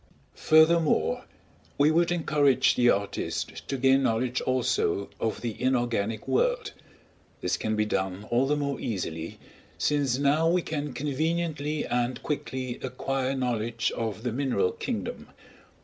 Furthermore, we would encourage the artist to gain knowledge also of the inorganic world; this can be done all the more easily since now we can conveniently and quickly acquire knowledge of the mineral kingdom.